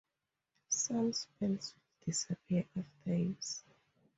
Some spells will disappear after use.